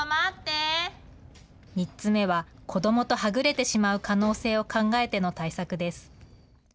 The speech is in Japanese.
３つ目は子どもとはぐれてしまう可能性を考えての対策です。